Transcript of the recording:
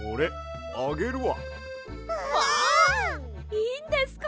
いいんですか！？